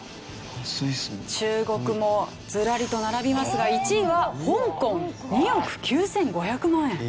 中国もずらりと並びますが１位は香港２億９５００万円。